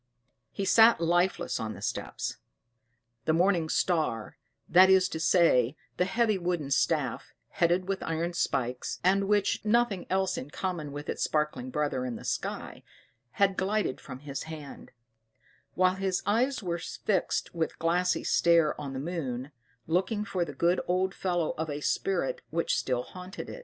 He sat lifeless on the steps: the morning star,* that is to say, the heavy wooden staff, headed with iron spikes, and which had nothing else in common with its sparkling brother in the sky, had glided from his hand; while his eyes were fixed with glassy stare on the moon, looking for the good old fellow of a spirit which still haunted it.